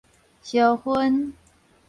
燒薰